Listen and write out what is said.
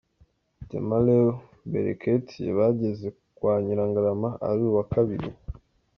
Temalew Bereket bageze kwa Nyirangarama ari uwa kabiri.